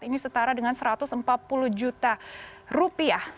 ini setara dengan satu ratus empat puluh juta rupiah